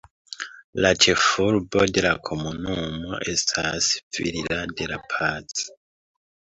La ĉefurbo de la komunumo estas Villa de la Paz.